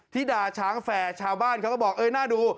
ธิดาช้างแฟร์ชาวบ้านเขาก็บอกเออน่าดู